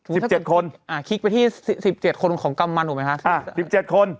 สิบเจ็ดคนอ่าคลิกไปที่สิบเจ็ดคนของกำมันถูกไหมฮะอ่าสิบเจ็ดคน